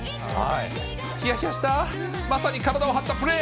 ひやひやした、まさに体を張ったプレー。